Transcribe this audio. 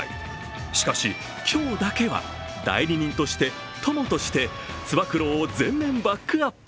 しかし、今日だけは代理人として、友としてつば九郎を全面バックアップ。